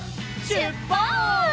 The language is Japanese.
しゅっぱつ！